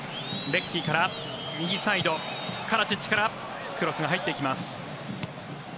レッキーから右サイド、カラチッチからクロスが入っていきます。